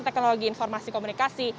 teknologi informasi komunikasi